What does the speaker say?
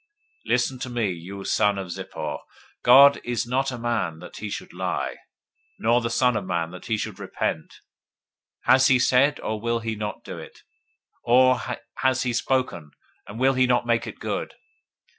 Listen to me, you son of Zippor. 023:019 God is not a man, that he should lie, nor the son of man, that he should repent. Has he said, and will he not do it? Or has he spoken, and will he not make it good?